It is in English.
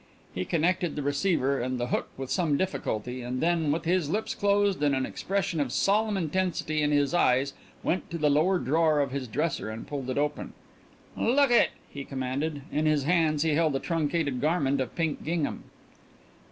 He connected the receiver and the hook with some difficulty, and then with his lips closed and an expression of solemn intensity in his eyes went to the lower drawer of his dresser and pulled it open. "Lookit!" he commanded. In his hands he held a truncated garment of pink gingham.